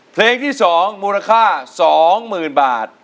เพลงที่๒มูลค่า๒๐๐๐๐บาท